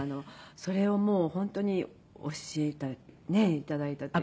それをもう本当に教えてねいただいたというか。